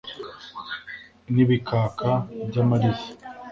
n’ibikaka by’amariza